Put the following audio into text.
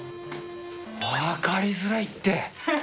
分かりづらいって。